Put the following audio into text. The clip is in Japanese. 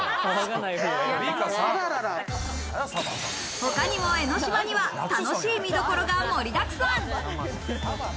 他にも江の島には楽しい見どころが盛りだくさん。